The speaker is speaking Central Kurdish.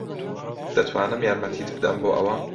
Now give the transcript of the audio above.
دەتوانم یارمەتیت بدەم بۆ ئەوە؟